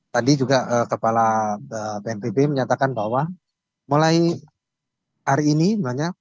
tadi juga kepala bnpb menyatakan bahwa mulai hari ini namanya